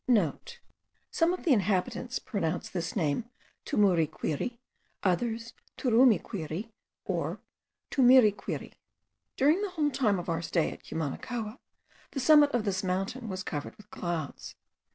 *(* Some of the inhabitants pronounce this name Tumuriquiri, others Turumiquiri, or Tumiriquiri. During the whole time of our stay at Cumanacoa, the summit of this mountain was covered with clouds.